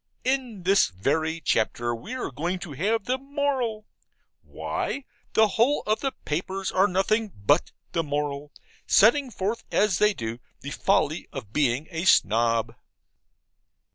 In this very chapter we are going to have the moral why, the whole of the papers are nothing BUT the moral, setting forth as they do the folly of being a Snob.